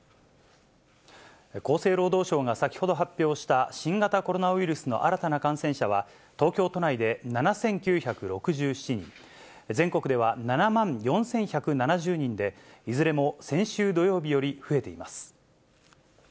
厚生労働省が先ほど発表した新型コロナウイルスの新たな感染者は、東京都内で７９６７人、全国では７万４１７０人で、いずれも先週土曜日より増えています。